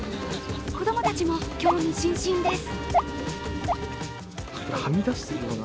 子供たちも興味津々です。